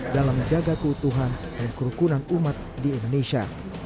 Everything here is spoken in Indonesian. dalam menjaga keutuhan dan kerukunan umat di indonesia